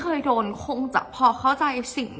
เพราะในตอนนั้นดิวต้องอธิบายให้ทุกคนเข้าใจหัวอกดิวด้วยนะว่า